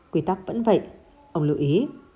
quy tắc vẫn vậy ông lưu ý